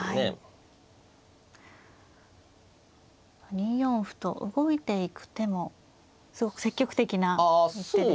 ２四歩と動いていく手もすごく積極的な一手ですね。